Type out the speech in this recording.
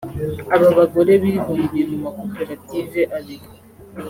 Aba bagore bibumbiye mu makoperative abiri